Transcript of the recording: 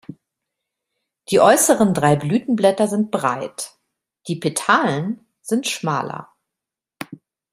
Die äußeren drei Blütenblätter sind breit, die Petalen sind schmaler.